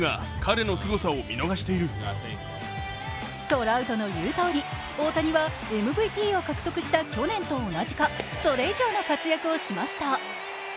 トラウトの言うとおり大谷はＭＶＰを獲得した去年と同じかそれ以上の活躍をしました。